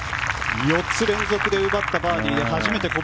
４つ連続で奪ったバーディー。